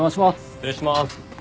失礼します。